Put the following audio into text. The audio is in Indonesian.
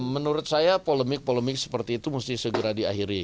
menurut saya polemik polemik seperti itu mesti segera diakhiri